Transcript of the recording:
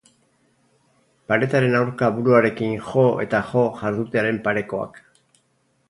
Paretaren aurka buruarekin jo eta jo jardutearen parekoak.